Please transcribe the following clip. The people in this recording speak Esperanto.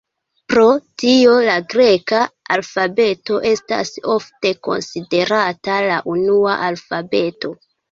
Pro tio, la greka alfabeto estas ofte konsiderata la unua alfabeto.